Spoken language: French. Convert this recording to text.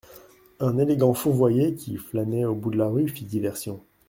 Un élégant fourvoyé qui flânait au bout de la rue, fit diversion.